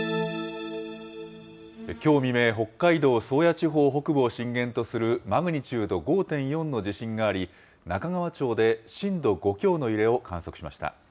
きょう未明、北海道宗谷地方北部を震源とするマグニチュード５．４の地震があり、中川町で震度５強の揺れを観測しました。